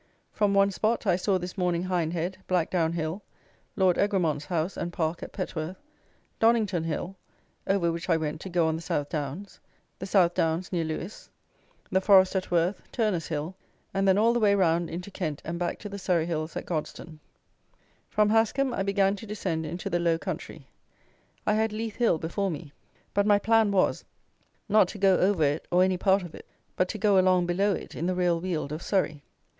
From one spot I saw this morning Hindhead, Blackdown Hill, Lord Egremont's house and park at Petworth, Donnington Hill, over which I went to go on the South Downs, the South Downs near Lewes; the forest at Worth, Turner's Hill, and then all the way round into Kent and back to the Surrey Hills at Godstone. From Hascomb I began to descend into the low country. I had Leith Hill before me; but my plan was, not to go over it or any part of it, but to go along below it in the real Weald of Surrey.